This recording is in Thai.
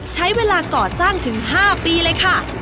ใช้เวลาก่อสร้างถึง๕ปีเลยค่ะ